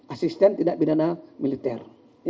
asisten tindak bidana militer